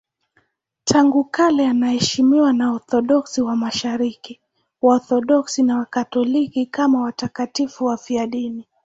Tangu kale wanaheshimiwa na Waorthodoksi wa Mashariki, Waorthodoksi na Wakatoliki kama watakatifu wafiadini.